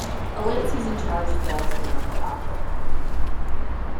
A late season charge failed to win a playoff berth.